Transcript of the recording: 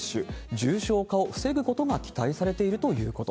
重症化を防ぐことが期待されているということ。